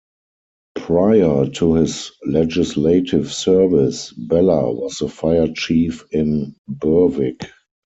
Prior to his legislative service, Bella was the fire chief in Berwick.